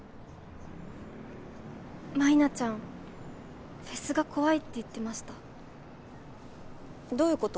舞菜ちゃんフェスが怖いって言ってましたどういうこと？